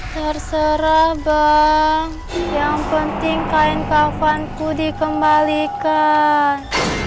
terserah bang yang penting kain kafanku dikembalikan